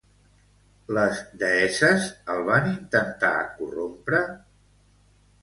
Les deesses el van intentar corrompre?